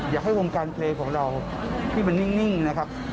อยากให้วงการเพลงของเราที่มันนิ่งนะครับ